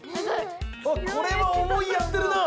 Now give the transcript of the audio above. これは思いやってるなあ！